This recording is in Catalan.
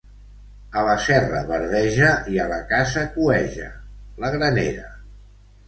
A la serra verdeja i a la casa cueja: la granera.